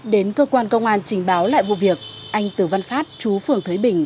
đến cơ quan công an trình báo lại vụ việc anh từ văn phát chú phường thới bình